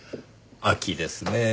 秋ですねぇ。